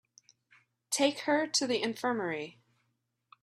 Take her to the infirmary.